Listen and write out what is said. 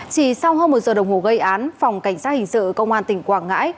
chỉ sau hơn một giờ đồng hồ gây án phòng cảnh sát hình sự công an tỉnh quảng ngãi